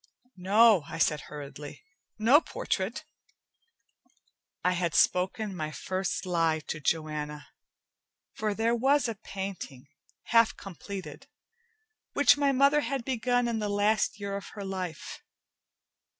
"No," I said hurriedly. "No portrait." I had spoken my first lie to Joanna, for there was a painting, half completed, which my mother had begun in the last year of her life.